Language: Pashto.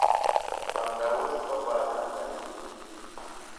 همدا اوس ښه باران ورېږي.